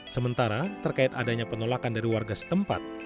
sementara terkait adanya penolakan dari warga setempat